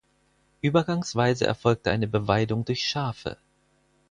Übergangsweise erfolgte eine Beweidung durch Schafe.